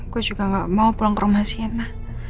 gue juga gak mau pulang ke rumah siana